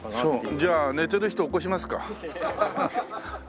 じゃあ寝てる人起こしますか。